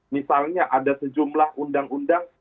misalnya ada sejumlah undang undang